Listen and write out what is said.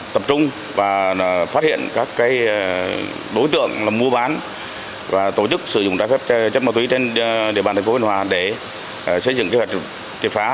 tập trung và phát hiện các đối tượng mua bán và tổ chức sử dụng đa phép chất ma túy trên địa bàn tp hcm để xây dựng kế hoạch triệt phá